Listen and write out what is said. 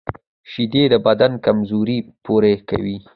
شیدې د بدن کمزوري پوره کوي